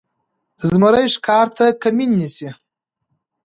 زمری ښکار ته کمین نیسي.